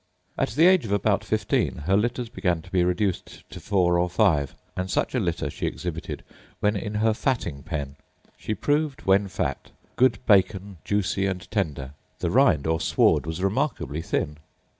At the age of about fifteen her litters began to be reduced to four or five; and such a litter she exhibited when in her fatting pen. She proved, when fat, good bacon, juicy, and tender; the rind, or sward, was remarkably thin.